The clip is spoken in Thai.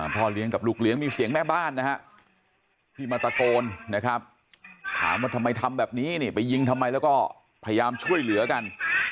พ่อเลี้ยงกับลูกเลี้ยงมีเสียงแม่บ้านนะฮะที่มาตะโกนนะครับถามว่าทำไมทำแบบนี้นี่ไปยิงทำไมแล้วก็พยายามช่วยเหลือกัน